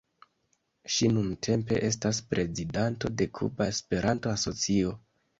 Ŝi nuntempe estas prezidanto de Kuba Esperanto-Asocio.